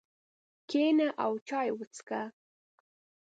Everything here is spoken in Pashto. کښېنه او چای وڅښه.